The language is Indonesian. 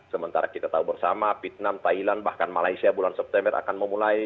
sementara kita tahu bersama vietnam thailand bahkan malaysia bulan september akan memulai